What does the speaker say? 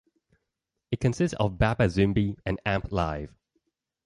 It consists of Baba Zumbi and Amp Live.